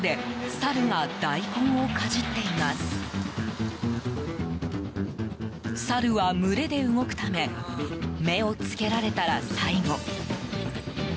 サルは群れで動くため目をつけられたら最後。